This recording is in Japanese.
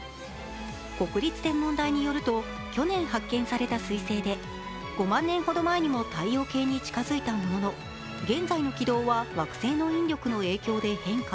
国立天文台によると、去年発見された彗星で、５万年ほど前にも太陽系に近づいたものの、現在の軌道は惑星の引力の影響で変化。